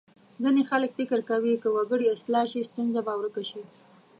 ځینې خلک فکر کوي که وګړي اصلاح شي ستونزه به ورکه شي.